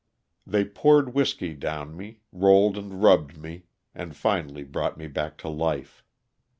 They poured whiskey down me, rolled and rubbed me, and finally brought me back to life.